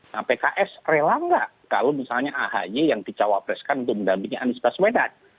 nah pks rela nggak kalau misalnya ahy yang dicawapreskan untuk mendampingi anies baswedan